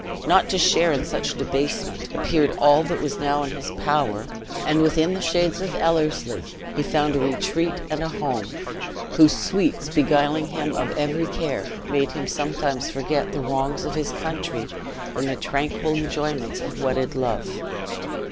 Not to share in such debasement, appeared all that was now in his power; and within the shades of Ellerslie he found a retreat and a home, whose sweets beguiling him of every care, made him sometimes forget the wrongs of his country in the tranquil enjoyments of wedded love.